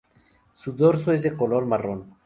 Su dorso es de color marrón.